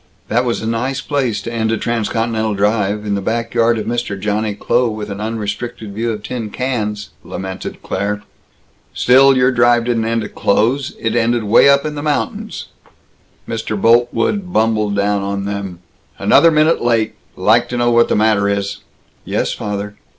"That was a nice place to end a transcontinental drive in the back yard of Mr. Johnny Kloh, with an unrestricted view of tin cans!" lamented Claire. "Still, your drive didn't end at Kloh's; it ended way up in the mountains." Mr. Boltwood bumbled down on them: "Another minute late! Like to know what the matter is!" "Yes, father!"